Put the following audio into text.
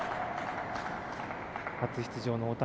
初出場の大谷。